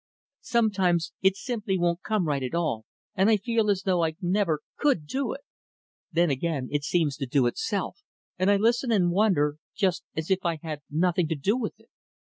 Sometimes, it simply won't come right, at all, and I feel as though I never could do it. Then, again, it seems to do itself; and I listen and wonder just as if I had nothing to do with it."